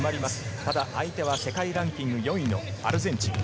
ただ相手は世界ランキング４位のアルゼンチン。